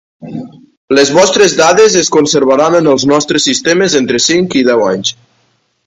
Les vostres dades es conservaran en els nostres sistemes entre cinc i deu anys.